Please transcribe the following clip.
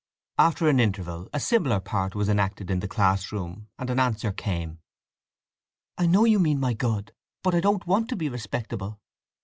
After an interval a similar part was enacted in the class room, and an answer came: I know you mean my good. But I don't want to be respectable!